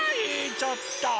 ちょっと！